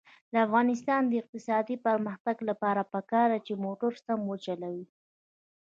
د افغانستان د اقتصادي پرمختګ لپاره پکار ده چې موټر سم وچلوو.